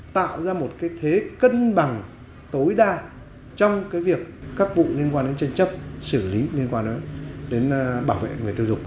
tạo ra một thế cân bằng tối đa trong việc các vụ liên quan đến chân chấp xử lý liên quan đến bảo vệ người tiêu dùng